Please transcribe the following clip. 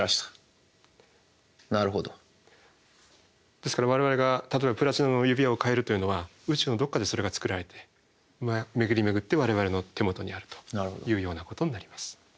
ですから我々が例えばプラチナの指輪を買えるというのは宇宙のどっかでそれがつくられて巡り巡って我々の手元にあるというようなことになります。